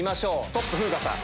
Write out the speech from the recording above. トップ風花さん。